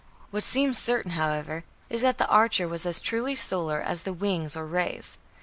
What seems certain, however, is that the archer was as truly solar as the "wings" or "rays".